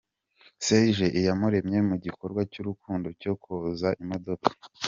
Serge Iyamuremye mu gikorwa cy'urukundo cyo koza imodoka.